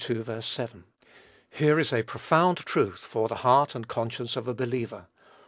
7.) Here is a profound truth for the heart and conscience of a believer.